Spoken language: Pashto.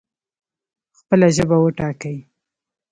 خپله ژبه وټاکئ